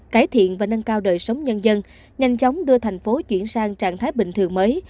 cải thiện và nâng cao đời sống nhân dân nhanh chóng đưa thành phố chuyển sang trạng thái bình thường mới